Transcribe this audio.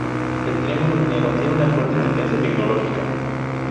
El Triángulo Minero tiene fuerte tendencia tecnológica.